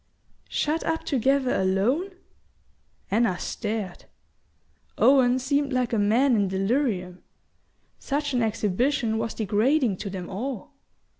"Shut up together alone?" Anna stared. Owen seemed like a man in delirium; such an exhibition was degrading to them all.